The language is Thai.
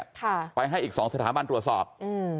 ค่ะไปให้อีกสองสถาบันตรวจสอบอืม